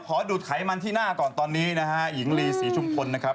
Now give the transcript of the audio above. ขอดูดไขมันที่หน้าก่อนตอนนี้นะแฮะ